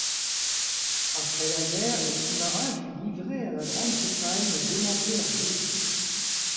Après la guerre le sous-marin fut livré à la Grande-Bretagne et démantelé à Blyth.